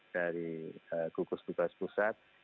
dari gugus tugas pusat